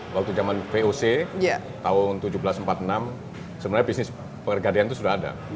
waktu zaman voc tahun seribu tujuh ratus empat puluh enam sebenarnya bisnis pergadean itu sudah ada